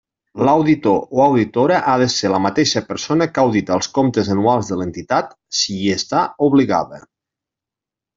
L'auditor o auditora ha de ser la mateixa persona que audita els comptes anuals de l'entitat, si hi està obligada.